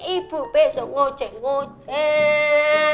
ibu besok ngoceh ngoceh